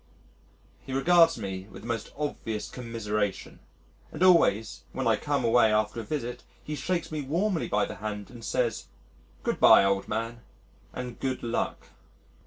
He regards me with the most obvious commiseration and always when I come away after a visit he shakes me warmly by the hand and says, "Good bye, old man, and good luck."